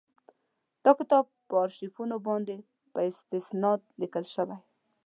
دا کتاب پر آرشیفونو باندي په استناد لیکل شوی.